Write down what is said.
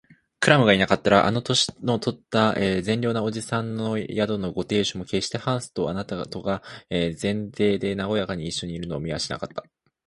クラムがいなかったら、あの年とった善良な伯父さんの宿のご亭主も、けっしてハンスとあなたとが前庭でなごやかにいっしょにいるのを見はしなかった